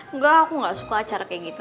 enggak aku gak suka acara kayak gitu